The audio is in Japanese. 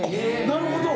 なるほど。